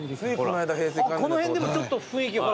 この辺でもちょっと雰囲気ほら。